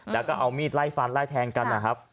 แล้วก็เอามีดไล่ฟันไล่แทงกันนะครับ